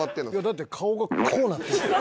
だって顔がこうなってる。